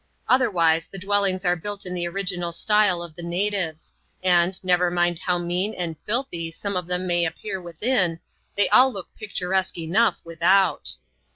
Otherwise, the dwellings are built in the original style of the natives ; and, never mind how mean and filthy some of them may appear within, they all look picturesque enough without.